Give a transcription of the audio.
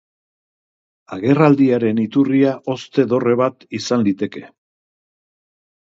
Agerraldiaren iturria hozte dorre bat izan liteke.